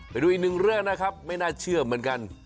ไปดูอีกหนึ่งเรื่องนะครับไม่น่าเชื่อเหมือนกัน